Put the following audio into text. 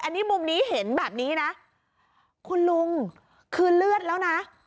อันนี้มุมนี้เห็นแบบนี้นะคุณลุงคือเลือดแล้วนะ